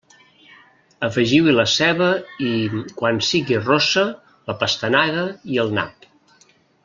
Afegiu-hi la ceba i, quan sigui rossa, la pastanaga i el nap.